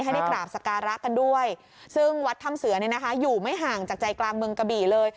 ให้ได้กราบสการะกันด้วยซึ่งวัดถ้ำเสือเนี่ยนะคะอยู่ไม่ห่างจากใจกลางเมืองกะบี่เลย